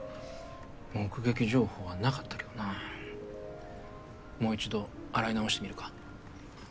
目撃情報は無かったけどなもう一度洗い直してみるか。